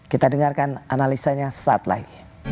kita dengarkan analisanya sesaat lagi